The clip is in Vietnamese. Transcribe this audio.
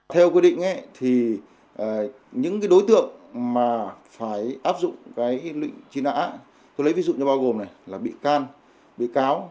theo quy định thì những cái đối tượng mà phải áp dụng cái lệnh truy nã tôi lấy ví dụ như bao gồm này là bị can bị cáo